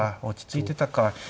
落ち着いてたか。